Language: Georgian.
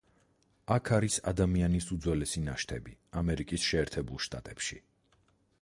აქ არის ადამიანის უძველესი ნაშთები, ამერიკის შეერთებულ შტატებში.